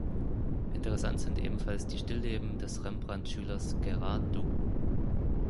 Interessant sind ebenfalls die Stillleben des Rembrandt-Schülers Gerard Dou.